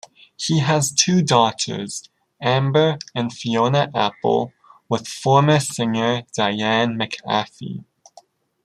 He has two daughters, Amber and Fiona Apple, with former singer Diane McAfee.